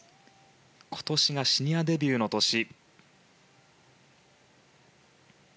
今年がシニアデビューの年。